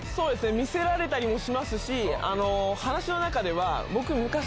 見せられたりもしますし話の中では。